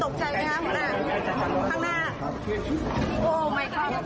ครับ